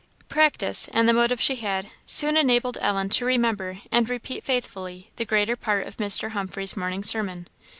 Practice, and the motive she had, soon enabled Ellen to remember and repeat faithfully the greater part of Mr. Humphreys' morning sermon.